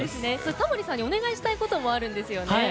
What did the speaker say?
タモリさんにお願いしたいこともあるんですよね。